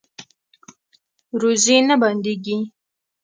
روزي نه بندیږي